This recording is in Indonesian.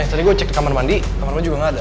aneh tadi gue cek kamar mandi kamar mandi juga gak ada